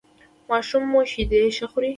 ماشوم مو شیدې ښه خوري؟